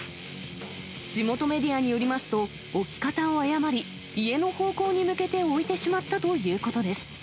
地元メディアによりますと、置き方を誤り、家の方向に向けて置いてしまったということです。